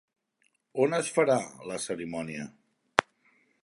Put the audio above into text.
On es farà, la cerimònia?